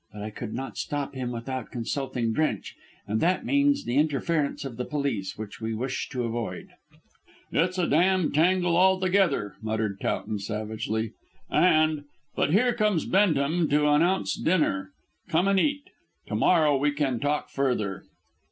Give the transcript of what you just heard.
But I could not stop him without consulting Drench, and that means the interference of the police, which we wish to avoid." "It's a damned tangle altogether," muttered Towton savagely, "and but here comes Bendham to announce dinner. Come and eat. To morrow we can talk further."